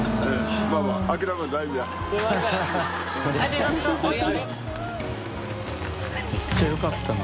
めっちゃよかったな。